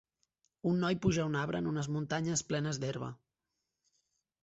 Un noi puja a un arbre en unes muntanyes plenes d'herba